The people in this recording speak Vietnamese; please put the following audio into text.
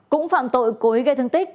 cũng phạm tội cố ý gây thương tích